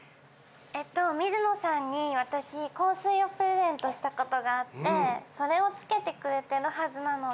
えっと水野さんに私香水をプレゼントした事があってそれをつけてくれてるはずなので。